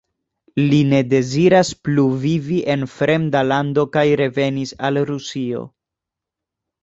Li ne deziras plu vivi en fremda lando kaj revenis al Rusio.